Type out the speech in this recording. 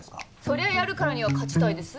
そりゃやるからには勝ちたいです。